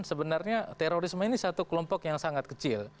sebenarnya terorisme ini satu kelompok yang sangat kecil